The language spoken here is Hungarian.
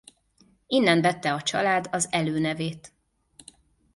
Innen vette a család az előnevét.